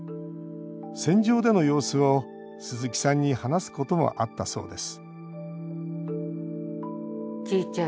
戦場での様子を鈴木さんに話すこともあったそうです